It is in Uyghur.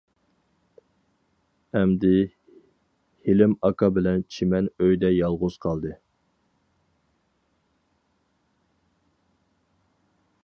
ئەمدى ھېلىم ئاكا بىلەن چىمەن ئۆيدە يالغۇز قالدى.